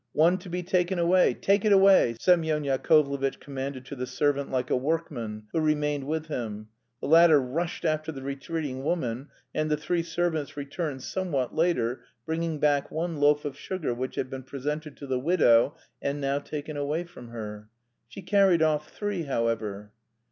"One to be taken away. Take it away," Semyon Yakovlevitch commanded to the servant like a workman, who remained with him. The latter rushed after the retreating woman, and the three servants returned somewhat later bringing back one loaf of sugar which had been presented to the widow and now taken away from her. She carried off three, however.